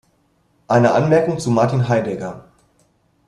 Eine Anmerkung zu Martin Heidegger“.